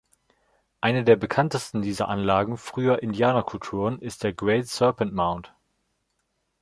Eine der bekanntesten dieser Anlagen früher Indianerkulturen ist der Great Serpent Mound.